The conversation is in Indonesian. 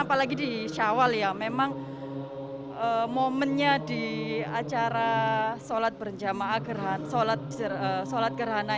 apalagi di shawwal ya memang momennya di acara sholat berjamaah gerhan sholat sholat gerhana